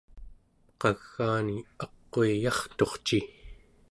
qagaani aquiyarturci